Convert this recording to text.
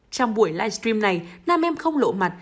trong buổi livestream này nam em không lộ mặt